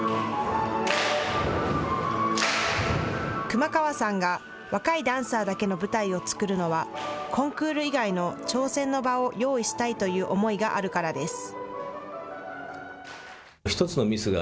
熊川さんが若いダンサーだけの舞台を作るのはコンクール以外の挑戦の場を用意したいという思いがあるからです。